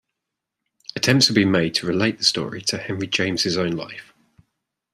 Attempts have been made to relate the story to Henry James' own life.